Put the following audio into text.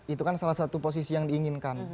itu kan salah satu posisi yang diinginkan